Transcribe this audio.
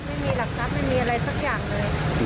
ไม่มีหลักทรัพย์ไม่มีอะไรสักอย่างเลย